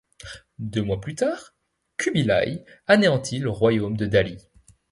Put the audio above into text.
Deux mois plus tard, Kubilai anéanti le royaume de Dali.